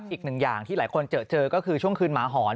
อีกหนึ่งอย่างที่หลายคนเจอเจอก็คือช่วงคืนหมาหอน